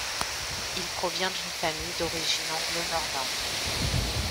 Il provient d'une famille d'origine anglo-normande.